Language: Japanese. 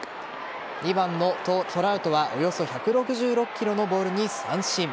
２番のトラウトはおよそ１６６キロのボールに三振。